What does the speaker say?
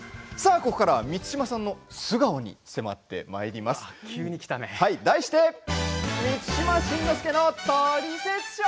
ここからは満島さんの素顔に迫ってまいりましょう題して満島真之介のトリセツショー。